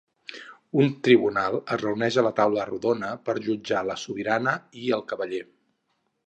Un tribunal es reuneix a la Taula Rodona per jutjar la sobirana i el cavaller.